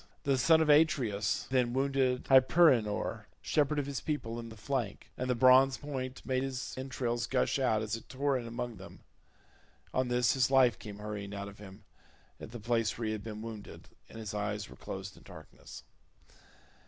The son of Atreus then wounded Hyperenor shepherd of his people, in the flank, and the bronze point made his entrails gush out as it tore in among them; on this his life came hurrying out of him at the place where he had been wounded, and his eyes were closed in darkness.